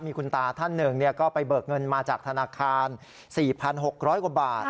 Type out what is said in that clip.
มีคุณตาท่านหนึ่งเนี่ยก็ไปเบิกเงินมาจากธนาคารสี่พันหกร้อยกว่าบาท